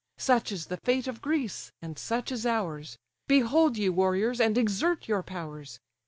Such is the fate of Greece, and such is ours: Behold, ye warriors, and exert your powers.